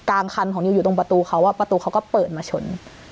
คันของนิวอยู่ตรงประตูเขาประตูเขาก็เปิดมาชน